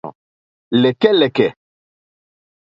Lɛ̀kɛ́lɛ̀kɛ̀.